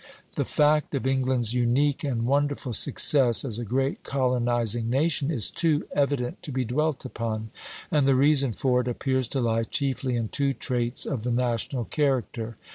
The fact of England's unique and wonderful success as a great colonizing nation is too evident to be dwelt upon; and the reason for it appears to lie chiefly in two traits of the national character.